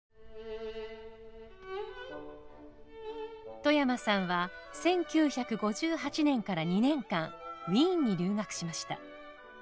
外山さんは１９５８年から２年間ウィーンに留学しました。